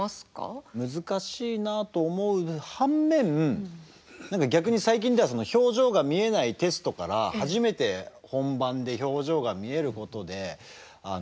難しいなと思う反面逆に最近では表情が見えないテストから初めて本番で表情が見えることで違うリアクションがとれるみたいな。